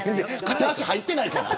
片脚入ってないから。